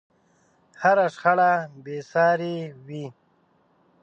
هره شخړه بې سارې وي.